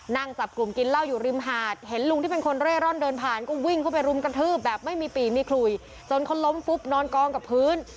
นั่งจับกลุ่มกินเหล้าอยู่ริมหาดเห็นลุงที่เป็นคนเร่ร่อนเดินผ่านก็วิ่งเข้าไปรุมกระทืบแบบไม่มีปีมีขลุยจนเขาล้มฟุบนอนกองกับพื้น